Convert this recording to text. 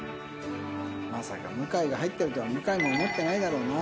まさか向が入ってるとは向も思ってないだろうな。